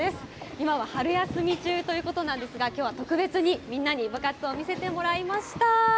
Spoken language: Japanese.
今は春休み中ということなんですが、きょうは特別にみんなに部活を見せてもらいました。